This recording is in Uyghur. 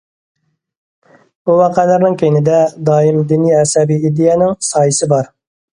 بۇ ۋەقەلەرنىڭ كەينىدە دائىم دىنىي ئەسەبىي ئىدىيەنىڭ سايىسى بار.